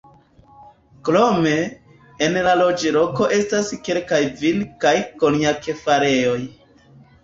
Krome, en la loĝloko estas kelkaj vin- kaj konjak-farejoj.